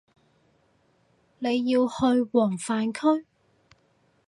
你要去黃泛區